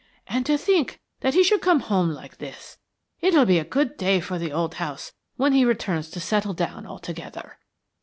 And to think that he should come home like this. It'll be a good day for the old house when he returns to settle down altogether."